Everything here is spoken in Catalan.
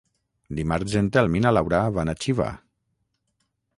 Dimarts en Telm i na Laura van a Xiva.